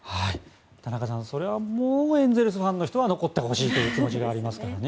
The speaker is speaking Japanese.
田中さん、それはもうエンゼルスファンの人は残ってほしいという気持ちがありますからね。